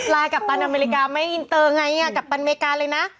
กัปตันอเมริกาไม่อินเตอร์ไงกัปตันอเมริกาเลยนะ